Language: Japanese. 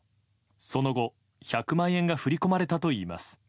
その後、１００万円が振り込まれたといいます。